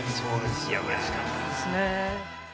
神谷：うれしかったですね。